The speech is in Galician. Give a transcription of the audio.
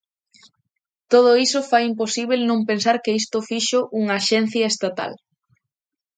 Todo iso fai imposíbel non pensar que isto fíxoo unha axencia estatal.